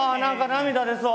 涙出そう。